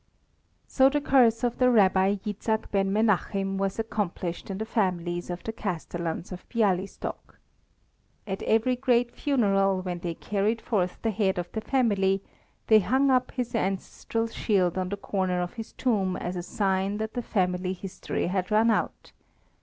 So the curse of the Rabbi Jitzchak Ben Menachim was accomplished in the families of the Castellans of Bialystok. At every great funeral, when they carried forth the head of the family, they hung up his ancestral shield on the corner of his tomb as a sign that the family history had run out.